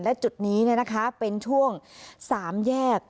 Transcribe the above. และจุดนี้เป็นช่วง๓แยก